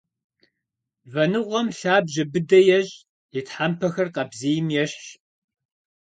Вэныгъуэм лъабжьэ быдэ ещӏ, и тхьэмпэхэр къабзийм ещхьщ.